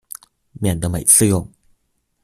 免得每次用